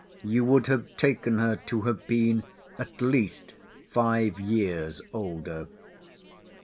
You would have taken her to have been at least five years older.